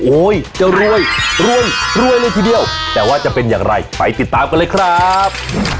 จะรวยรวยเลยทีเดียวแต่ว่าจะเป็นอย่างไรไปติดตามกันเลยครับ